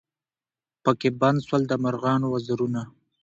پکښي بند سول د مرغانو وزرونه